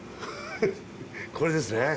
これですね。